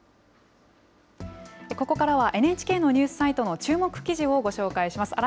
ここからはＮＨＫのニュースサイトの注目記事をご紹介します。